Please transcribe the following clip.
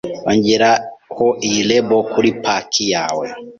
Ongeraho iyi label kuri paki yawe.